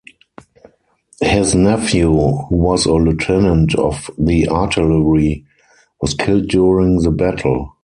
His nephew, who was a Lieutenant of the artillery, was killed during the battle.